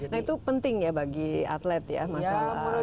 nah itu penting ya bagi atlet ya masalah